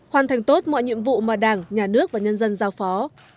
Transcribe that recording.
hoàn thành tốt mọi nhiệm vụ mà đảng nhà nước và nhân dân giao phó